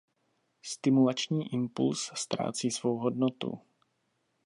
Stimulační impuls ztrácí svou hodnotu.